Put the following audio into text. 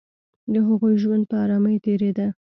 د هغوی ژوند په آرامۍ تېرېده